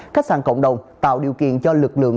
khách sạn cộng đồng tạo điều kiện cho lực lượng